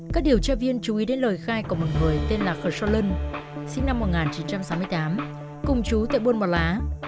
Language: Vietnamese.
các điều tra viên chú ý đến lời khai của một người tên là khờ so lân sinh năm một nghìn chín trăm sáu mươi tám cùng chú tại buôn bò lá